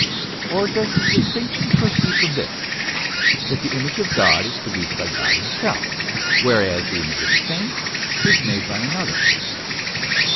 Or does the distinction proceed from this, that the Image of God is produced by God himself, whereas the image of the saint is made by another